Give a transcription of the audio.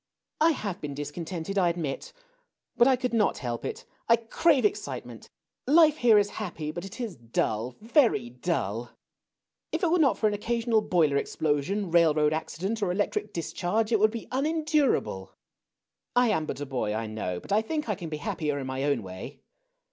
I have been discon tented, I admit. But I could not help it. I crave excitement. Life here is happy ; but it is dull — very dull. If it were not for an occasional boiler explosion, railroad accident, or electric discharge, it Avould be un endurable. I am but a boy, I know ; blit I think I can be happier in my own way.